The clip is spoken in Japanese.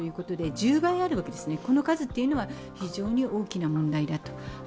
１０倍あるわけで、この数は非常に大きな問題だと。